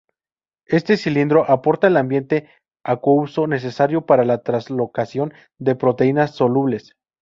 Este cilindro aporta el ambiente acuoso necesario para la translocación de proteínas solubles.